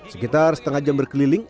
sekitar setengah jam berkeliling